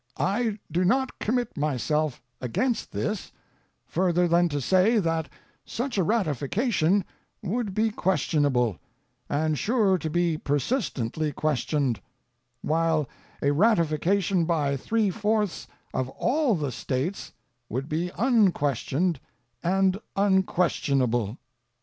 I do not commit myself against this, further than to say that such a ratification would be questionable, and sure to be persistently questioned; while a ratification by three fourths of all the States would be unquestioned and unquestionable.